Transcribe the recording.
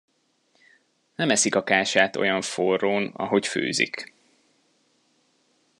Nem eszik a kását olyan forrón, ahogy főzik.